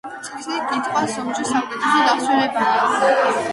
წიგნის კითხვა ზოგჯერ საუკეთესო დასვენებაა.